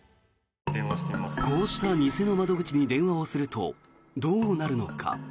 こうした偽の窓口に電話をするとどうなるのか。